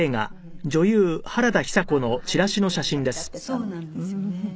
そうなんですよね。